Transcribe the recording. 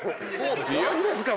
何ですか？